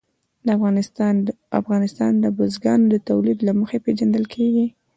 افغانستان د بزګانو د تولید له مخې پېژندل کېږي.